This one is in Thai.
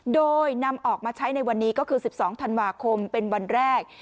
โดยนำออกมาใช้ในวันนี้ก็คือ๑๒ธันวาคมเป็นวันแรก